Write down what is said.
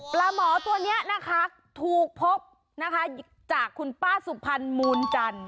ปลาหมอตัวนี้นะคะถูกพบนะคะจากคุณป้าสุพรรณมูลจันทร์